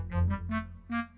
ya sebaiknya g